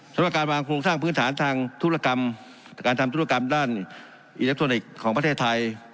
สำหรับการวางโครงสร้างพื้นฐานทางธุรกรรมการทำธุรกรรมด้านอิเล็กทรอนิกส์ของประเทศไทย